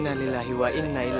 masa kalah padanya nenek nih